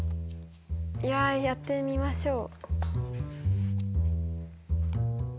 いややってみましょう。